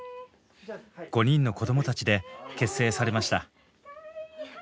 ５人の子どもたちで結成されました。